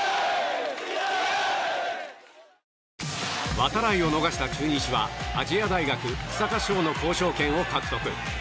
度会を逃した中日は亜細亜大学草加勝の交渉権を獲得。